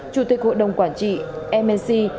chủ tịch hội đồng quản trị mnc